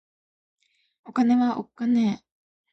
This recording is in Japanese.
お金はおっかねぇ